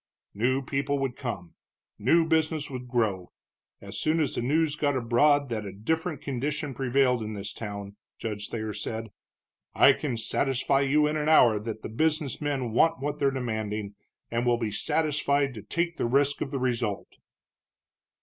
"New people would come, new business would grow, as soon as the news got abroad that a different condition prevailed in this town," Judge Thayer said. "I can satisfy you in an hour that the business men want what they're demanding, and will be satisfied to take the risk of the result."